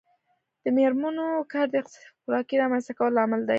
د میرمنو کار د اقتصادي خپلواکۍ رامنځته کولو لامل دی.